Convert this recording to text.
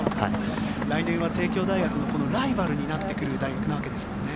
来年は帝京大学のライバルになってくる大学なわけですもんね。